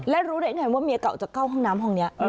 และรู้ได้ไงว่าเมียเก่าจะเข้าห้องน้ำห้องนี้